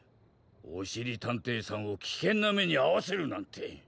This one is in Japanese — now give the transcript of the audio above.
おしりたんていさんをきけんなめにあわせるなんて！